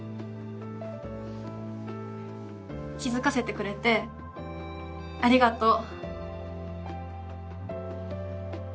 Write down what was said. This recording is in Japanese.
気付かせてくれてありがとう。